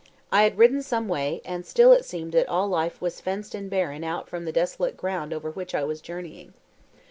I had ridden some way, and still it seemed that all life was fenced and barred out from the desolate ground over which I was journeying.